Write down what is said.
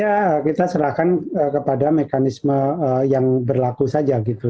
ya kita serahkan kepada mekanisme yang berlaku saja gitu